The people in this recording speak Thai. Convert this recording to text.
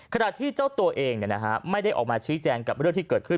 ขนาดที่เจ้าตัวเองเนี้ยนะฮะไม่ได้ออกมาชิ้นแจนกับเรื่องที่เกิดขึ้น